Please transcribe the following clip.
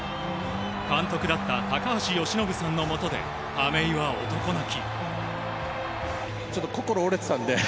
監督だった高橋由伸さんのもとで亀井は男泣き。